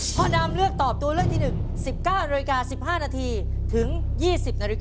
ข้อดำเลือกตอบตัวเลือกที่หนึ่ง๑๙น๑๕นถึง๒๐น